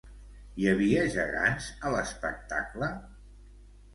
Hi havia gegants a l'espectacle?